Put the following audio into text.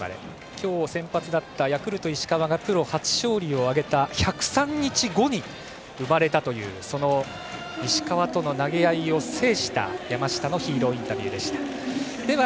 今日先発だったヤクルト、石川がプロ初勝利を挙げた１０３日後に生まれたという石川との投げ合いを制した山下のヒーローインタビューでした。